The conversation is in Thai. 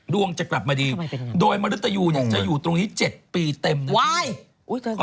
ดวงจะกลับมาดีโดยเมษายุนี่จะอยู่ตรงนี้๗ปีเต็มยังไง